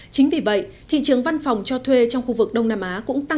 chính vì vậy thị trường văn phòng cho thuê trong khu vực đông nam á